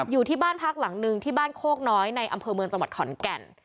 อยู่ที่บ้านพักหลังนึงที่บ้านโคกน้อยในอำเภอเมืองจังหวัดขอนแก่น